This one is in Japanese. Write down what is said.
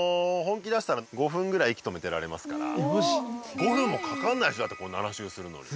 まあまあホントに５分もかからないでしょだって７周するのに。